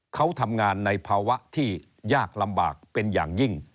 เขาทำงานในภาวะที่ยากลำบากเป็นอย่างยิ่ง